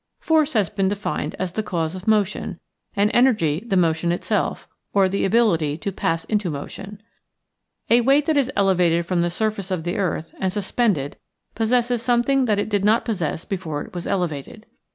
Force has been defined as the cause of motion, and Energy the motion itself, or the ability to pass into motion. A weight that is elevated from the surface of the earth and suspended possesses some thing that it did not possess before it was elevated.